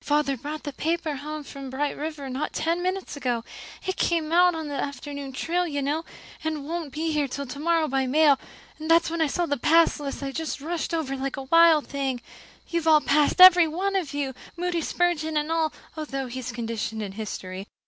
"Father brought the paper home from Bright River not ten minutes ago it came out on the afternoon train, you know, and won't be here till tomorrow by mail and when I saw the pass list I just rushed over like a wild thing. You've all passed, every one of you, Moody Spurgeon and all, although he's conditioned in history.